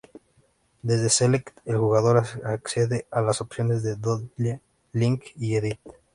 Desde Select el jugador accede a las opciones de "Doodle", "Link" y "Edit".